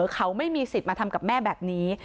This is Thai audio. เขาไม่มีสิทธิ์มาทำกับแม่แบบนี้